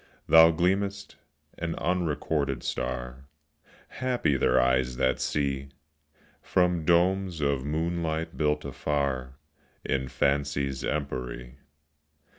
Thou gleam'st, an unrecorded star, (Happy their eyes that see!) From domes of moonlight built afar In Fancy's empery.